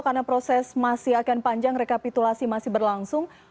karena proses masih akan panjang rekapitulasi masih berlangsung